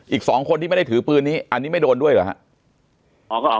อีก๒คนที่ไม่ได้ถือปืนนี้อันนี้ไม่โดนด้วยเหรอครับ